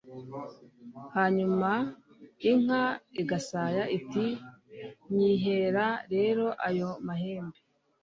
hanyuma inka igasaya? iti nyihera rero ayo mahembe